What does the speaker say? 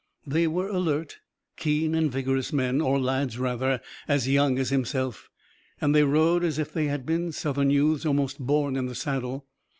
They were alert, keen and vigorous men, or lads rather, as young as himself, and they rode as if they had been Southern youths almost born in the saddle.